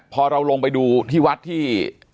พอเราลงไปดูที่วัดที่